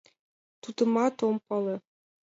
— Тудымат ом пале.